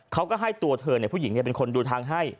เขาก็ให้ตัวเธอผู้หญิงเป็นคนดูทางให้